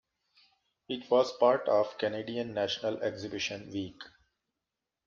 It was part of Canadian National Exhibition Week.